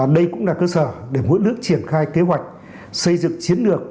đây cũng là cơ sở để mỗi nước triển khai kế hoạch xây dựng chiến lược